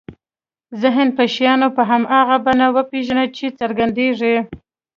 ذهن به شیان په هماغه بڼه وپېژني چې څرګندېږي.